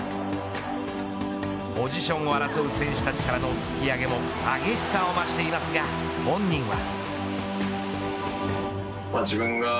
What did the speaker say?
ポジションを争う選手たちからの突き上げも激しさを増していますが本人は。